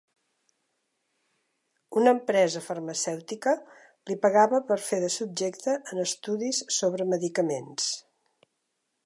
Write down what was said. Una empresa farmacèutica li pagava per fer de subjecte en estudis sobre medicaments.